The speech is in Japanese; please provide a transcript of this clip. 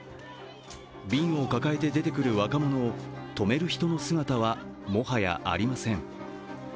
瓶を抱えて出てくる若者を止める人の姿は、もはやありません。